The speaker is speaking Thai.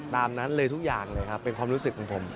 ตามนั้นเลยทุกอย่างเลยครับเป็นความรู้สึกของผม